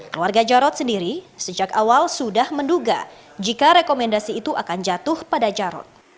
keluarga jarod sendiri sejak awal sudah menduga jika rekomendasi itu akan jatuh pada jarod